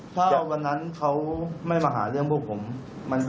ถ้าวันนั้นเขาไม่มาหาเรื่องพวกผมมันก็ไม่เกิดเรื่องนี้หรอก